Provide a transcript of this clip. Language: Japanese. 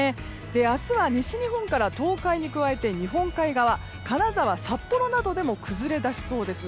明日は、西日本から東海に加えて日本海側金沢、札幌などでも崩れだしそうです。